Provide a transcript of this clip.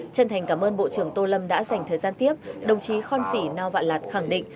chân thành cảm ơn bộ trưởng tô lâm đã dành thời gian tiếp đồng chí khon sĩ nao vạn lạt khẳng định